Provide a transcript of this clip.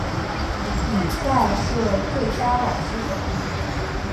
比赛设最佳老棋手。